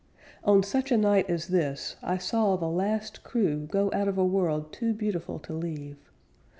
On such a night as this I saw the last crew go Out of a world too beautiful to leave.